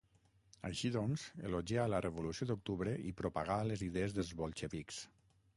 Així doncs, elogià la Revolució d'Octubre i propagà les idees dels bolxevics.